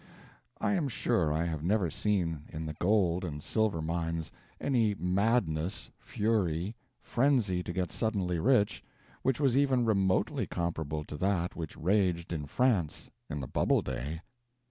I am sure I have never seen in the gold and silver mines any madness, fury, frenzy to get suddenly rich which was even remotely comparable to that which raged in France in the Bubble day.